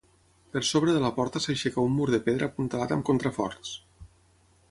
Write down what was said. Per sobre de la porta s'aixeca un mur de pedra apuntalat amb contraforts.